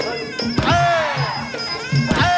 โอ๊ยโอ๊ยโอ๊ยโอ๊ย